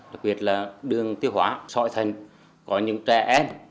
đặc biệt là đường tiêu hóa sọi thần có những trẻ em